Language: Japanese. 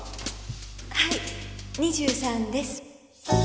はい２３です。